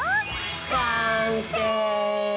完成！